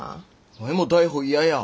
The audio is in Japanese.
ワイも逮捕嫌や。